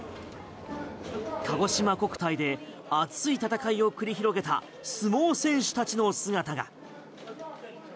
かごしま国体で熱い戦いを繰り広げた相撲選手たちの姿が。